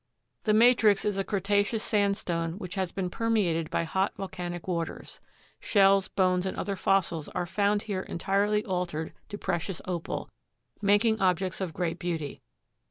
The matrix is a Cretaceous sandstone which has been permeated by hot volcanic waters. Shells, bones and other fossils are found here entirely altered to precious Opal, making objects of great beauty.